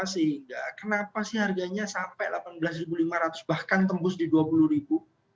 sehingga kenapa sih harganya sampai rp delapan belas lima ratus bahkan tembus di rp dua puluh